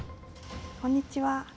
こんにちは。